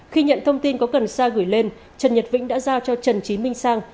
khi nhận thông tin có cần sa gửi lên trần nhật vĩnh đã giao cho trần trí minh sang